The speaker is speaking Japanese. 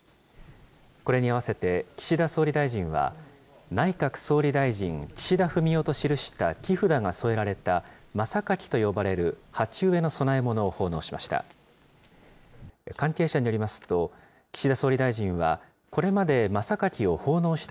これに合わせて岸田総理大臣は、内閣総理大臣岸田文雄と記した木札が添えられた真榊と呼ばれる鉢植えの供え物を奉納しました。